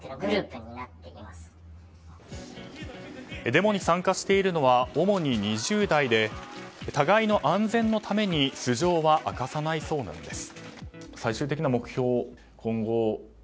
デモに参加しているのは主に２０代で互いの安全のために素性は明かさないそうなんです。